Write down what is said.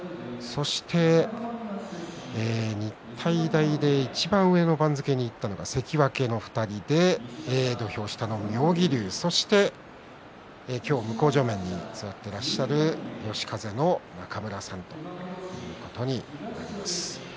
そして日体大でいちばん上の番付にいったのが関脇の２人土俵下の妙義龍そして今日、向正面に座っていらっしゃる嘉風の中村さんということになります。